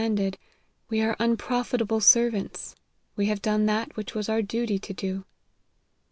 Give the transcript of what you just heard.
manded we are unprofitable servants ; we have done that which was our duty to do."